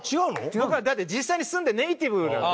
僕はだって実際に住んでネイティブなので。